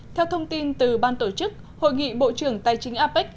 theo thông tin từ ban tổ chức hội nghị bộ trưởng tài chính apec